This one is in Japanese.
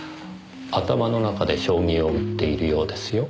頭の中で将棋を打っているようですよ。